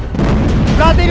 berhenti di pecah